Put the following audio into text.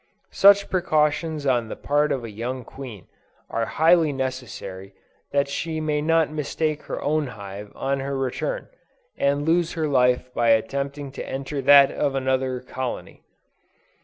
Such precautions on the part of a young queen, are highly necessary that she may not mistake her own hive on her return, and lose her life by attempting to enter that of another colony.